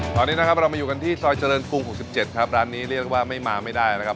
ตอนนี้นะครับเรามาอยู่กันที่ซอยเจริญกรุง๖๗ครับร้านนี้เรียกว่าไม่มาไม่ได้นะครับ